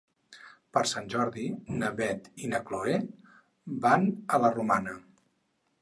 Per Sant Jordi na Beth i na Chloé van a la Romana.